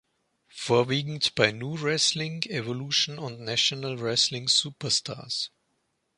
Vorwiegend bei Nu-Wrestling Evolution und National Wrestling Superstars.